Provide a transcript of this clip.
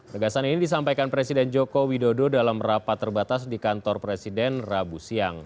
tegasan ini disampaikan presiden joko widodo dalam rapat terbatas di kantor presiden rabu siang